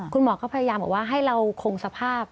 คุณหมอก็พยายามบอกว่าให้เราคงสภาพ